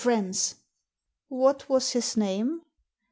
"A friend's." "What was his name?"